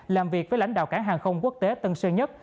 làm việc với lãnh đạo cảng hàng không quốc tế tân sơn nhất